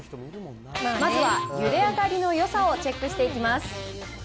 まずはゆで上がりのよさをチェックしていきます。